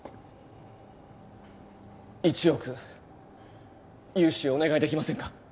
１億融資お願いできませんか？